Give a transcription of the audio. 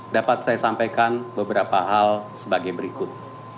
dapat saya sampaikan beberapa hal sebagai berikut